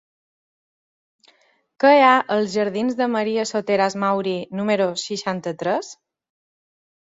Què hi ha a la jardins de Maria Soteras Mauri número seixanta-tres?